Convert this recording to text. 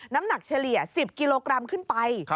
น้ำหนักเฉลี่ย๑๐กิโลกรัมขึ้นไป